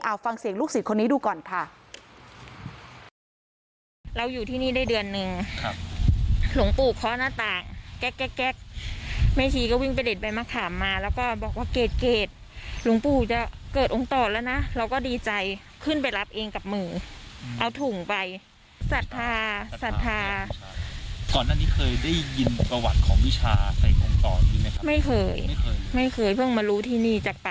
เอาฟังเสียงลูกศิษย์คนนี้ดูก่อนค่ะ